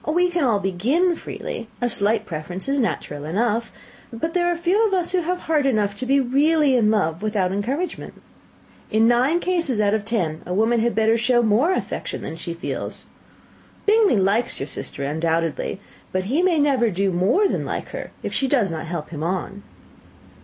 We can all begin freely a slight preference is natural enough; but there are very few of us who have heart enough to be really in love without encouragement. In nine cases out of ten, a woman had better show more affection than she feels. Bingley likes your sister undoubtedly; but he may never do more than like her, if she does not help him on."